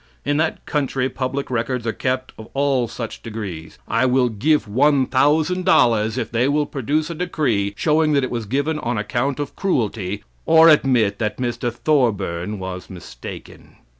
In that country public records are kept of all such decrees. I will give $1,000 if they will produce a decree, showing that it was given on account of cruelty, or admit that Mr. Thorburn was mistaken.